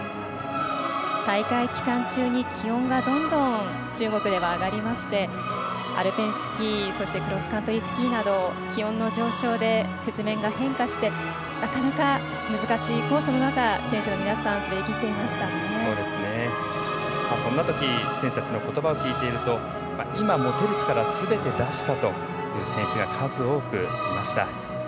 大会期間中に気温がどんどん中国では上がりましてアルペンスキーそしてクロスカントリースキーなど気温の上昇で雪面が変化してなかなか、難しいコースの中選手の皆さんそんなとき、選手たちのことばを聞いていると今、持てる力すべて出せたという選手が数多くいました。